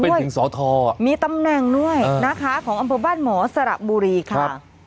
เป็นถึงสอทอมีตำแหน่งด้วยนะคะของอำเภอบ้านหมอสระบุรีค่ะ